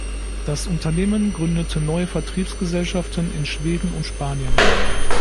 Das Unternehmen gründete neue Vertriebsgesellschaften in Schweden und Spanien.